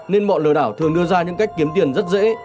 nên mọi lừa đảo thường đưa ra những cách kiếm tiền rất dễ